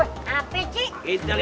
kita liat pertarungan dia